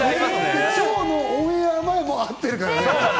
今日もオンエア前も会ってるからね。